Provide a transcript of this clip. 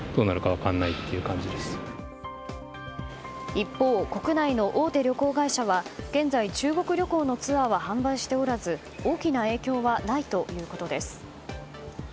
一方、国内の大手旅行会社は現在、中国旅行のツアーは販売しておらず大きな影響はないということです。